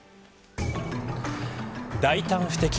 大胆不敵